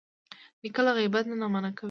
نیکه له غیبت نه منع کوي.